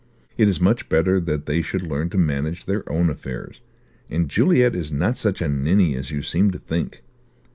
It is much better that they should learn to manage their own affairs; and Juliet is not such a ninny as you seem to think."